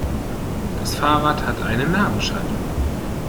Das Fahrrad hat eine Nabenschaltung.